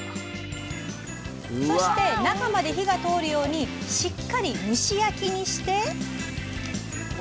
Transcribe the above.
そして中まで火が通るようにしっかり蒸し焼きにして。